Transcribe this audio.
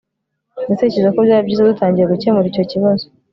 Ndatekereza ko byaba byiza dutangiye gukemura icyo kibazo